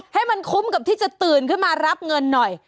ให้มันคุ้มกับที่จะตื่นขึ้นมารับเงินหน่อย